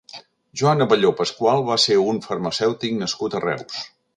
Joan Abelló Pascual va ser un farmacèutic nascut a Reus.